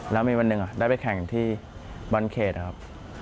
แล้วมีวันหนึ่งได้ไปแข่งที่บอลเขตครับ